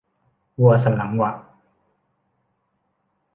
วัวสันหลังหวะ